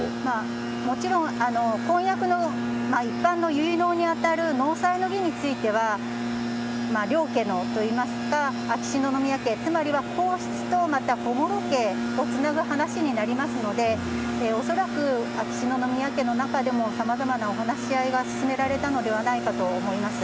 もちろん、婚約の一般の結納に当たる納采の儀については、両家のといいますか、秋篠宮家、つまりは皇室と、また小室家をつなぐ話になりますので、恐らく秋篠宮家の中でもさまざまなお話し合いが進められたのではないかと思います。